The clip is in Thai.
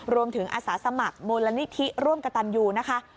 รวมถึงอาสาสมัครโมลนิธิร่วมกับตันยูนะคะ